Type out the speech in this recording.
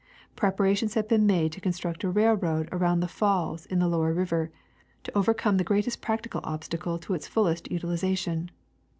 Preparations have been made to construct a railroad around the falls in the lower river to over come the greatest practical obstacle to its fullest utilization.